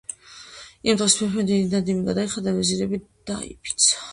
იმ დღეს მეფემ დიდი ნადიმი გადაიხადა და ვეზირები დააფიცა